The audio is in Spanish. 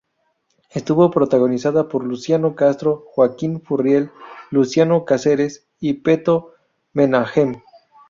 Estuvo protagonizada por Luciano Castro, Joaquín Furriel, Luciano Cáceres y Peto Menahem.